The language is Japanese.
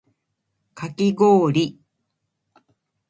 かきごおり